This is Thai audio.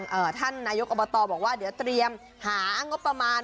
ท่านนายกอบตบอกว่าเดี๋ยวเตรียมหางบประมาณ